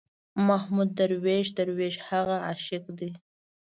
محمود درویش، درویش هغه عاشق دی.